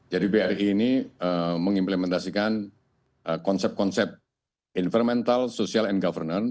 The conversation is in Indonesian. jadi bri ini mengimplementasikan konsep konsep environmental social and governance